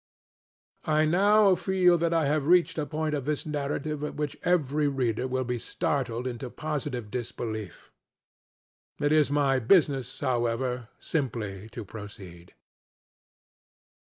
I now feel that I have reached a point of this narrative at which every reader will be startled into positive disbelief. It is my business, however, simply to proceed.